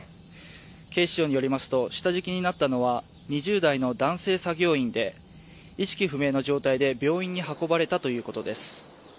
警視庁によりますと下敷きになったのは２０代の男性作業員で意識不明の状態で病院に運ばれたということです。